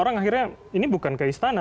orang akhirnya ini bukan ke istana